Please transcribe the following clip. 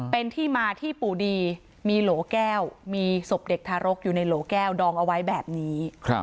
เป็นที่มาที่ปู่ดีมีโหลแก้วมีศพเด็กทารกอยู่ในโหลแก้วดองเอาไว้แบบนี้